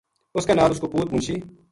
اس کے نال اس کا پُوت منشی